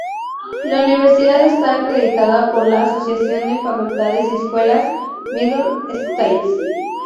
La universidad está acreditada por la Asociación de Facultades y Escuelas Middle States.